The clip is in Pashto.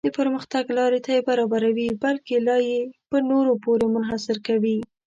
د پرمختګ لارې ته یې برابروي بلکې لا یې په نورو پورې منحصر کوي.